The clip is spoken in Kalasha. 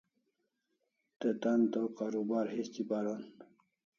Te tan to karubar histi paron